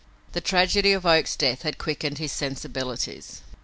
The tragedy of Oak's death had quickened his sensibilities.